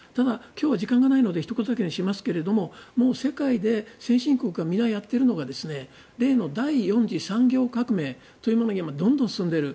今日は時間がないのでひと言だけにしますがもう世界で先進国が皆やっているのが例の第４次産業革命というものに今、どんどん進んでいる。